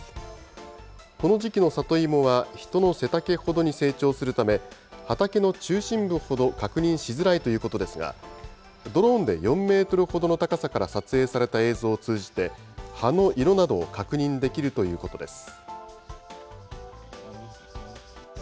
この時期の里芋は、人の背丈ほどに成長するため、畑の中心部ほど確認しづらいということですが、ドローンで４メートルほどの高さから撮影された映像を通じて、葉の色などを確認できるということです。